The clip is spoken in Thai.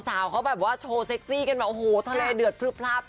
สาวเขาแบบว่าโชว์เซ็กซี่กันแบบโอ้โหทะเลเดือดพลึบพลับ